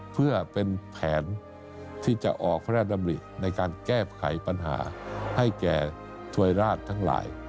เพื่อเป็นแผนที่จะออกพระราชดำริในการแก้ไขปัญหาให้แก่ถวยราชทั้งหลาย